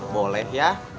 boleh ya kang